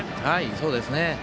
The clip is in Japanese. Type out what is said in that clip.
そうですね。